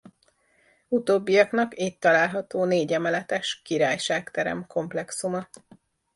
Utóbbiaknak itt található négy emeletes Királyság-terem komplexuma.